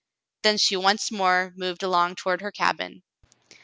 Then she once more moved along toward her cabin.